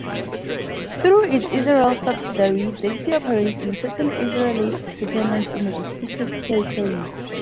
Through its Israeli subsidiary, Dexia operates in certain Israeli settlements in the disputed Territories.